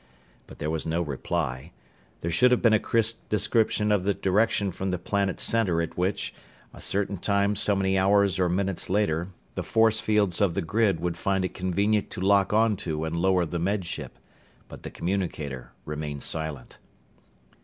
But there was no reply. There should have been a crisp description of the direction from the planet's center at which, a certain time so many hours or minutes later, the force fields of the grid would find it convenient to lock onto and lower the Med Ship. But the communicator remained silent.